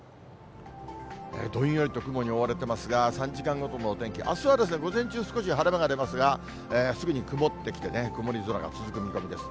どんよりと雲に覆われてますが、３時間ごとのお天気、あすは午前中、少し晴れ間が出ますが、すぐに曇ってきて、曇り空が続く見込みです。